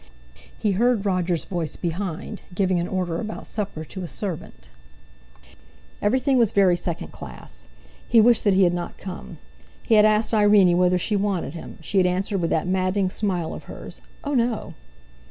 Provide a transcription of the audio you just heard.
He heard Roger's voice behind, giving an order about supper to a servant. Everything was very second class! He wished that he had not come! He had asked Irene whether she wanted him; she had answered with that maddening smile of hers "Oh, no!"